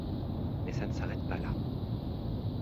Mais ça ne s'arrête pas là.